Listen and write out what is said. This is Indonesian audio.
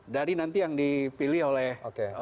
dari nanti yang dipilih oleh